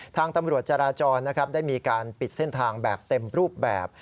ทางตำรวจจราจรนะครับได้มีการปิดเส้นทางแบบเต็มรูปแบบ